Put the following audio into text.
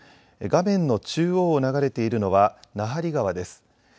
画面の中央を流れているのは奈半利川です。